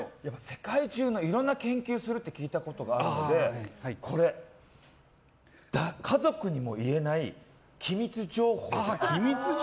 世界中のいろんな研究するって聞いたことがあるので家族にも言えない機密情報がある。